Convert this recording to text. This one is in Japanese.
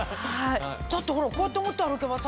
だってこうやって持って歩けばさ。